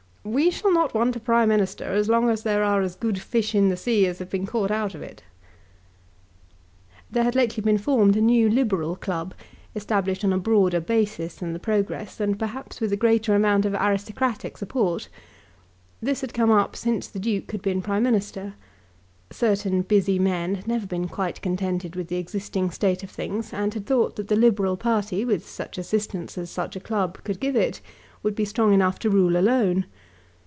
We shall not want a Prime Minister as long as there are as good fish in the sea as have been caught out of it." There had lately been formed a new Liberal club, established on a broader basis than the Progress, and perhaps with a greater amount of aristocratic support. This had come up since the Duke had been Prime Minister. Certain busy men had never been quite contented with the existing state of things, and had thought that the Liberal party, with such assistance as such a club could give it, would be strong enough to rule alone.